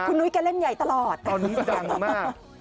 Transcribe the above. คุณนุ้ยแกเล่นใหญ่ตลอดตอนนี้ดังมาก